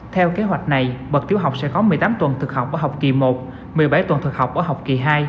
theo kế hoạch này bậc tiểu học sẽ có một mươi tám tuần thực học ở học kỳ một một mươi bảy tuần thực học ở học kỳ hai